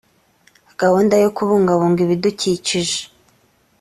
gahunda yo kubungabunga ibidukikije